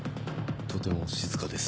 とても静かです。